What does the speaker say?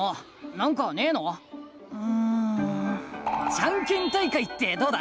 ジャンケン大会ってどうだ？